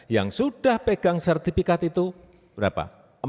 yang sudah pegang sertifikat itu berapa